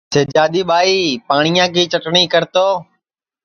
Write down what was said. سِجادی ٻائی پاٹِؔیا کی چٹٹؔیں کرتو